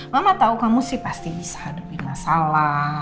mama tahu kamu sih pasti bisa hadapi masalah